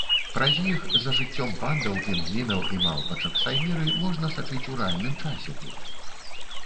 Праз іх за жыццём пандаў, пінгвінаў і малпачак-сайміры можна сачыць у рэальным часе тут.